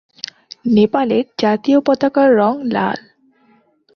নেপালের জাতীয় পতাকার রং লাল।